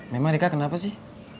memang rika kenapa sih